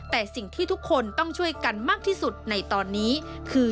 แต่สิ่งที่ทุกคนต้องช่วยกันมากที่สุดในตอนนี้คือ